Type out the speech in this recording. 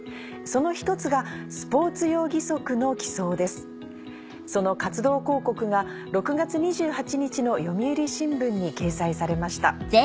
その活動広告が６月２８日の読売新聞に掲載されました。